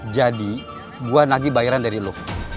jadi gue nagih bayaran dari lo